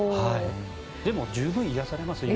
でも、十分癒やされますよ。